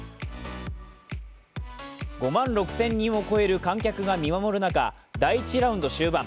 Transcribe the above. ５万６０００人を超える観客が見守る中第１ラウンド終盤